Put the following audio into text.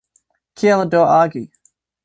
Kiel do agi?